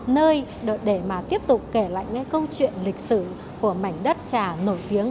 nơi để mà tiếp tục kể lại cái câu chuyện lịch sử của mảnh đất trà nổi tiếng